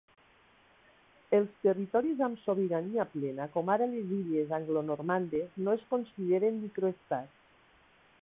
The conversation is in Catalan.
Els territoris amb sobirania plena, com ara les Illes Anglonormandes, no es consideren microestats.